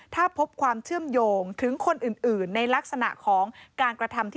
ถ้าพบความเชื่อมโยงถึงคนอื่นในลักษณะของการกระทำที่